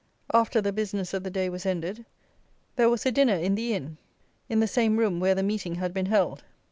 After the business of the day was ended, there was a dinner in the inn, in the same room where the Meeting had been held.